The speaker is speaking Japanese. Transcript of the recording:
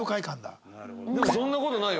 でも「そんな事ないよ。